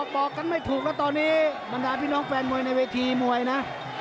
บอกกันไม่ถูกแล้วตอนนี้บรรดาพี่น้องแฟนมวยในเวทีมวยนะ